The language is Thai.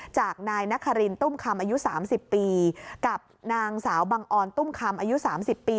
จากนายนครินตุ้มคำอายุ๓๐ปีกับนางสาวบังออนตุ้มคำอายุ๓๐ปี